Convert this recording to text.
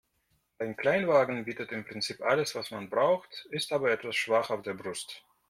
Dein Kleinwagen bietet im Prinzip alles, was man braucht, ist aber etwas schwach auf der Brust.